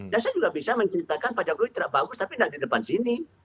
dan saya juga bisa menceritakan pak jokowi tidak bagus tapi nggak di depan sini